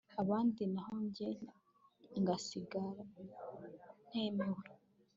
abandi naho jye ngasigara ntemewe